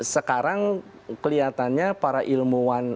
sekarang kelihatannya para ilmuwan